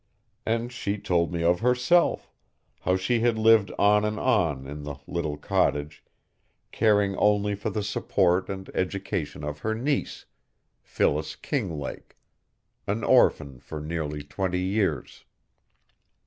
And she told me of herself, how she had lived on and on in the little cottage, caring only for the support and education of her niece, Phyllis Kinglake, an orphan for nearly twenty years.